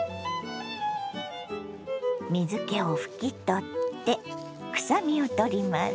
水けを拭き取って臭みをとります。